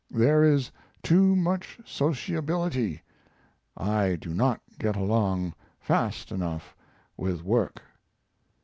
There is too much sociability; I do not get along fast enough with work.